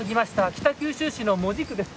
北九州市の門司区です。